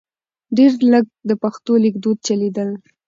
ډېر لږ د پښتو لیکدود چلیدل .